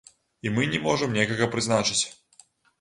І мы не можам некага прызначыць.